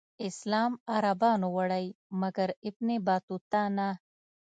اسلام عربانو وړی مګر ابن بطوطه نه.